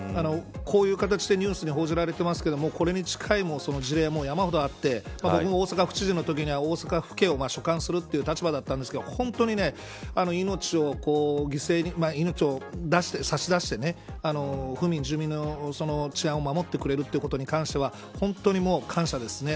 こういう形でニュースに報じられていますがこれに近い事例も山ほどあって僕も、大阪府知事のときには大阪府警を所管するという立場でしたが本当に命を犠牲に命を差し出して府民、住民の治安を守ってくれるということに関しては本当に感謝ですね。